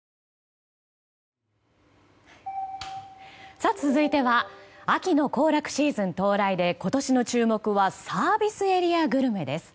さあ、続いては秋の行楽シーズン到来で今年の注目はサービスエリアグルメです。